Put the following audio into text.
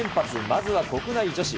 まずは国内女子。